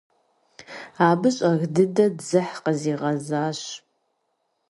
Абы щӀэх дыдэ дзыхь къызигъэзащ.